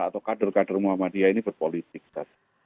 atau kader kader muhammadiyah ini berpolitik tadi